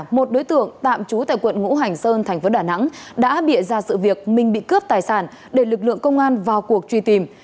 một đối tượng tạm trú tại quận ngũ hành sơn thành phố đà nẵng đã bịa ra sự việc minh bị cướp tài sản để lực lượng công an vào cuộc truy tìm